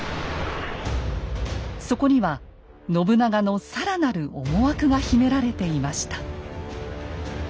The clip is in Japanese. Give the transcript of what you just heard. そこには信長の更なる思惑が秘められていました。